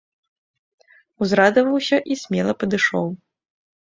Узрадаваўся і смела падышоў.